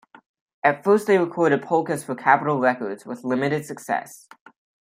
At first they recorded polkas for Capitol Records with limited success.